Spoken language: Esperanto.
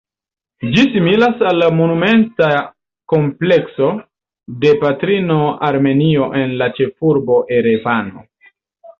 Ĝi similas al la monumenta komplekso de Patrino Armenio en la ĉefurbo Erevano.